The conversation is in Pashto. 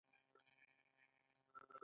چین د نړۍ فابریکه شوه.